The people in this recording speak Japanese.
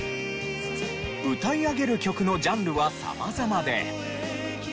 歌い上げる曲のジャンルは様々で。